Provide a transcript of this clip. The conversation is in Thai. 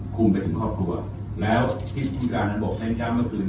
คุมไปถึงครอบครัวแล้วที่สุดงานบอกชายนะเยี่ยมเมื่อคืน